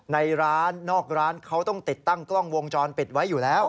ในร้านนอกร้านเขาต้องติดตั้งกล้องวงจรปิดไว้อยู่แล้ว